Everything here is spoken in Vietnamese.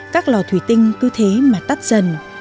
các lò thủy tinh cứ thế mà tắt dần